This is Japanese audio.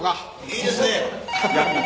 いいですね！